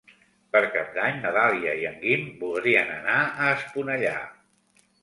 Per Cap d'Any na Dàlia i en Guim voldrien anar a Esponellà.